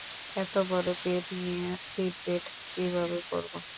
এতবড় পেট নিয়ে seat belt কীভাবে পড়বো?